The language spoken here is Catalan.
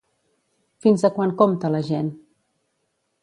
Fins a quant compta la gent?